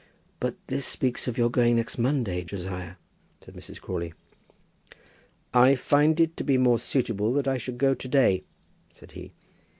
"But this speaks of your going next Monday, Josiah," said Mrs. Crawley. "I find it to be more suitable that I should go to day," said he.